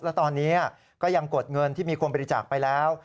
แล้วตอนนี้ก็ยังกดเงินที่มีคนบริจาคไปแล้ว